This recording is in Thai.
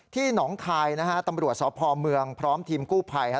หนองคายนะฮะตำรวจสพเมืองพร้อมทีมกู้ภัย